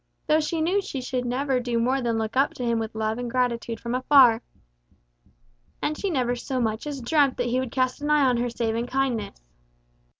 though she knew she should never do more than look up to him with love and gratitude from afar. And she never so much as dreamt that he would cast an eye on her save in kindness.